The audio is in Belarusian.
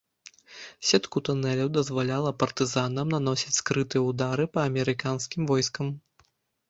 Сетку тунэляў дазваляла партызанам наносіць скрытыя ўдары па амерыканскім войскам.